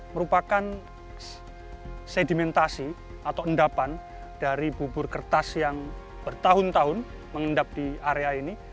merupakan sedimentasi atau endapan dari bubur kertas yang bertahun tahun mengendap di area ini